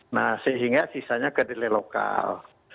nah sehingga sisanya kedelai lokal